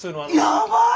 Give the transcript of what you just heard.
やばい！